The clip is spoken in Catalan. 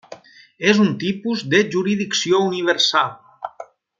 És un tipus de jurisdicció universal.